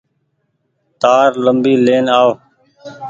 تآر ليمبي لين آئو۔